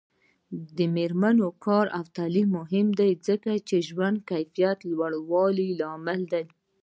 د میرمنو کار او تعلیم مهم دی ځکه چې ژوند کیفیت لوړولو لامل دی.